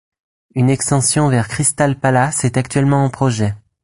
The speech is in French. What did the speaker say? Une extension vers Crystal Palace est actuellement en projet.